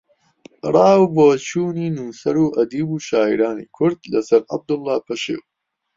ڕاو بۆچوونی نووسەر و ئەدیب و شاعیرانی کورد لە سەر عەبدوڵڵا پەشێو